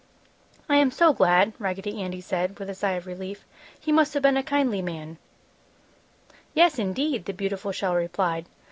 "I am so glad!" Raggedy Andy said, with a sigh of relief. "He must have been a kindly man!" "Yes, indeed!" the beautiful shell replied.